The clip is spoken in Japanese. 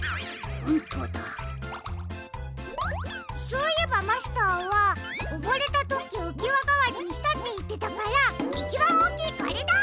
そういえばマスターはおぼれたときうきわがわりにしたっていってたからいちばんおおきいこれだ！